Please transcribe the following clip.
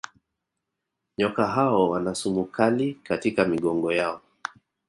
Nyoka hao wana sumu kali katika migongo yao